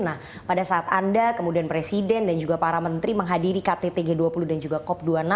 nah pada saat anda kemudian presiden dan juga para menteri menghadiri kttg dua puluh dan juga cop dua puluh enam